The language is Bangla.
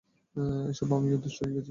এসবে আমি অতিষ্ট হয়ে গেছি।